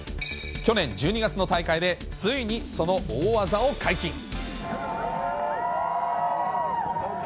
去年１２月の大会で、ついにその大技を解禁。